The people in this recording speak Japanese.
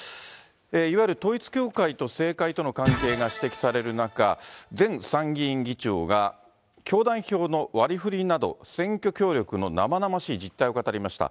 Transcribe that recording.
いわゆる統一教会と政界との関係が指摘される中、前参議院議長が、教団票の割りふりなど、選挙協力の生々しい実態を語りました。